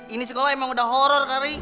ini sekolah emang udah horor kali